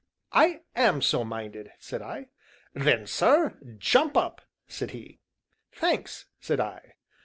"I am so minded," said I. "Then, sir, jump up," said he. "Thanks!" said I.